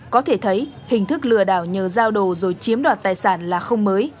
có thể thấy hình thức lừa đảo nhờ giao đồ rồi chiếm đoạt tài sản là không mới